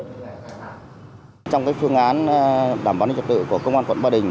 trong phương án đảm bảo an ninh trả tự của công an quận ba đình